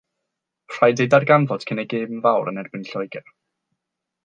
Rhaid eu darganfod cyn y gêm fawr yn erbyn Lloegr.